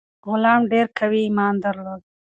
غلام ډیر قوي ایمان درلود.